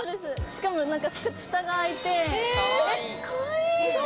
しかもフタが開いてかわいい！